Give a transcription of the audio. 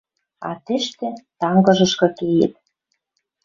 А тӹштӹ — тангыжышкы кеет.